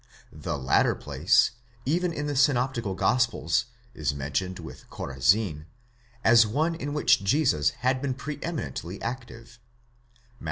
The latter place, even in the synoptical gospels, is mentioned, with Chorazin, as one in which Jesus had been pre eminently active (Matt.